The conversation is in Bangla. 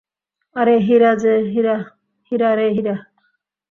আরে হীরা রে হীরা।